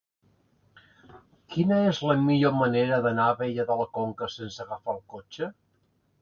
Quina és la millor manera d'anar a Abella de la Conca sense agafar el cotxe?